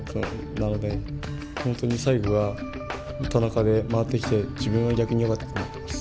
なので本当に最後は田中で回ってきて自分は逆によかったって思ってます。